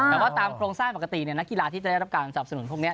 แต่ว่าตามโครงสร้างปกตินักกีฬาที่จะได้รับการสนับสนุนพวกนี้